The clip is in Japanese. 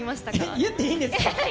言っていいんですか？